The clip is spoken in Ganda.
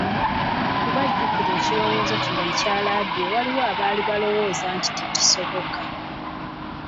Kuba jjukira ekirowoozo kino ekya laadiyo waliwo abaali balowooza nti tekisoboka.